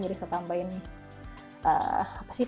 jadi saya tambahin apa sih